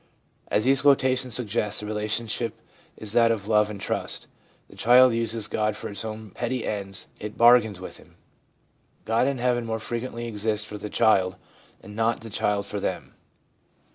As these quota tions suggest, the relationship is that of love and trust. The child uses God for its own petty ends, it bargains with Him. God and heaven more frequently exist for the child and not the child for them.